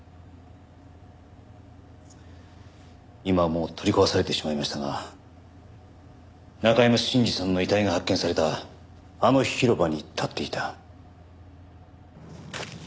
今はもう取り壊されてしまいましたが中山信二さんの遺体が発見されたあの広場に立っていた。